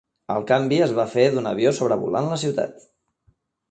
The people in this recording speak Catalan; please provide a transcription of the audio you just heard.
El canvi es va fer d'un avió sobrevolant la ciutat.